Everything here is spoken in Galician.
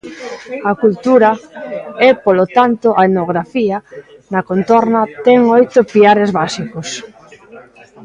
A cultura, e polo tanto a etnografía, na contorna ten oito piares básicos.